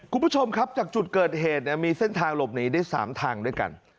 คุณผู้ชมครับจากจุดเกิดเหตุมีเส้นทางหลบหนีได้๓ทางด้วยกัน